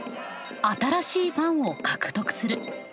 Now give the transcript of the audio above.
新しいファンを獲得する。